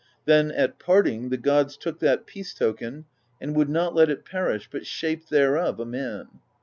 Then at parting the gods took that peace token and would not let it perish, but shaped thereof a man.